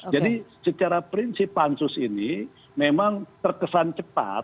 jadi secara prinsip pansus ini memang terkesan cepat